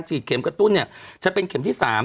ฉีดเข็มกระตุ้นจะเป็นเข็มที่๓